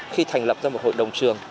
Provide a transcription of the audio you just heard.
khi thành lập ra một hội đồng trường